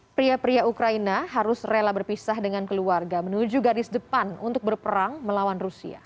pria pria ukraina harus rela berpisah dengan keluarga menuju garis depan untuk berperang melawan rusia